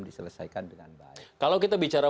diselesaikan dengan baik kalau kita bicara